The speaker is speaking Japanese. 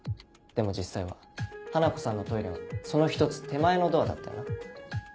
でも実際は花子さんのトイレはその１つ手前のドアだったよな？